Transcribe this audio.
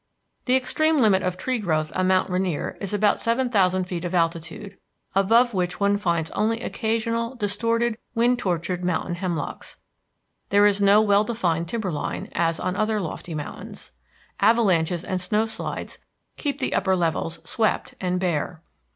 The extreme limit of tree growth on Mount Rainier is about seven thousand feet of altitude, above which one finds only occasional distorted, wind tortured mountain hemlocks. There is no well defined timber line, as on other lofty mountains. Avalanches and snow slides keep the upper levels swept and bare.